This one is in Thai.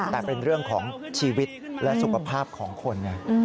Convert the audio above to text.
แต่เป็นเรื่องของชีวิตและสุขภาพของคนไง